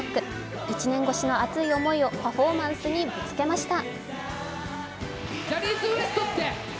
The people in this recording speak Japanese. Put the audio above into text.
１年越しの熱い思いをパフォーマンスにぶつけました。